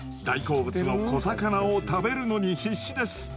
大好物の小魚を食べるのに必死です。